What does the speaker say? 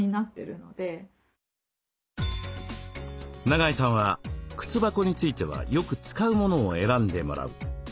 永井さんは靴箱についてはよく使うものを選んでもらう。